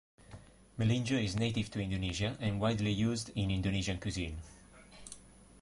Melinjo is native to Indonesia and widely used in Indonesian cuisine.